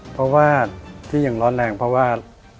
เพราะว่าที่ยังร้อนแรงเพราะว่า